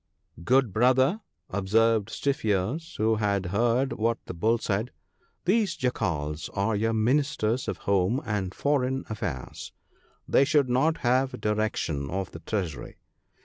'Good brother,' observed Stiff ears, who had heard what the Bull said, 'these Jackals are your Ministers of Home and Foreign Affairs, — they should not have direc tion of the Treasury.